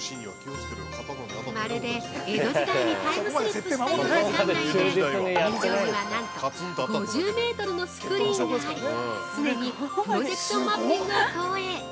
◆まるで江戸時代にタイムスリップしたような館内で天井には、なんと５０メートルのスクリーンがあり、常にプロジェクションマッピングを投影！